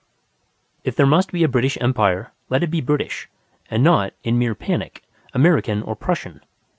If there must be a British Empire, let it be British, and not, in mere panic, American or Prussian.